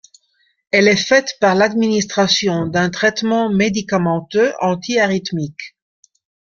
Elle est faite par l'administration d'un traitement médicamenteux anti-arythmique.